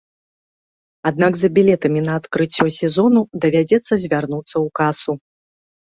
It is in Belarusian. Аднак за білетамі на адкрыццё сезону давядзецца звярнуцца ў касу.